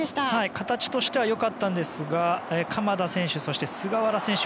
形としては良かったんですが鎌田選手、そして菅原選手。